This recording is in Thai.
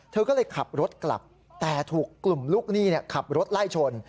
เธอก็เลยขับรถกลับแต่ถูกกลุ่มลูกหนี้ขับรถไล่ชน